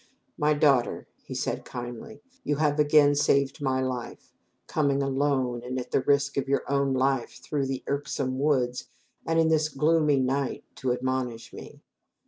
"My daughter," he said kindly, "you have again saved my life, coming alone, and at risk of your own young life, through the irksome woods and in this gloomy night to admonish me.